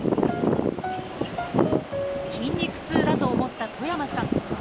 筋肉痛だと思った戸山さん